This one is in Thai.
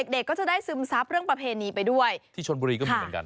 เด็กก็จะได้ซึมซับเรื่องประเพณีไปด้วยที่ชนบุรีก็มีเหมือนกัน